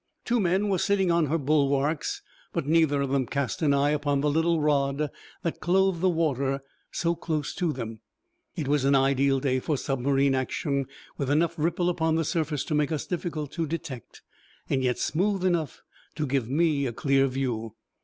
Two men were sitting on her bulwarks, but neither of them cast an eye upon the little rod that clove the water so close to them. It was an ideal day for submarine action, with enough ripple upon the surface to make us difficult to detect, and yet smooth enough to give me a clear view.